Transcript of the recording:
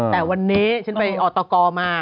แต่วันนี้ฉันไปออตกมา